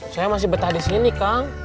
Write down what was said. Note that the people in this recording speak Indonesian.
saya masih betah disini kang